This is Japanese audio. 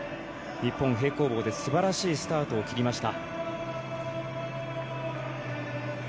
日本、平行棒で素晴らしいスタートを切りました。